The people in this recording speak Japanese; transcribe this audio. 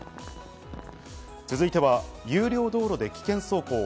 続いては有料道路で危険走行。